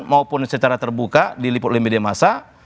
maupun secara terbuka di lipo limbidia masa